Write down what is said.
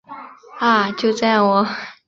啊！就这样喔